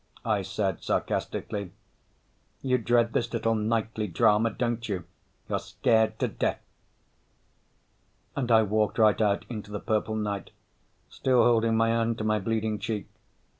I said sarcastically. "You dread this little nightly drama, don't you? You're scared to death." And I walked right out into the purple night, still holding my hand to my bleeding cheek.